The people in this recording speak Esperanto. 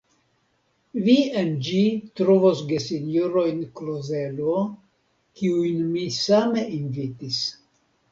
Vi en ĝi trovos gesinjorojn Klozelo, kiujn mi same invitis.